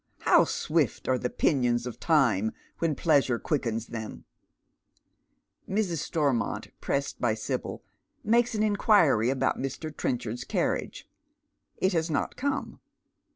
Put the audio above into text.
How swift are the pinions of Time when pleasure quickens them ! Mrs. Stormont, pressed by Sibyl, makes an inquiry about Mr. Trenchard's carriage. It has not come.